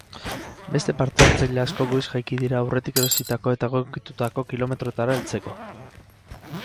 Beste partehartzaile asko goiz jaiki dira aurretik erositako eta egokitutako kilometroetara heltzeko.